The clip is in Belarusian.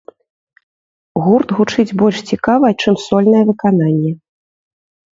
Гурт гучыць больш цікава, чым сольнае выкананне.